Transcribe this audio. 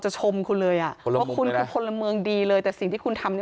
เห็นหมดแล้ว